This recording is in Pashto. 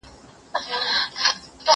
زه اوس موټر کاروم،